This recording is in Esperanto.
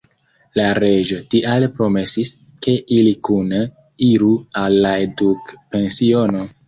La reĝo tial promesis, ke ili kune iru al la edukpensiono.